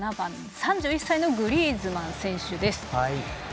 ３１歳のグリーズマン選手です。